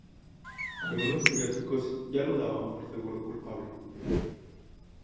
Algunos periódicos ya lo daban por seguro culpable.